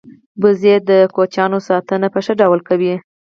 وزې د کوچنیانو ساتنه په ښه ډول کوي